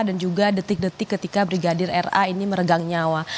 juga detik detik ketika brigadir ra ini meregang nyawa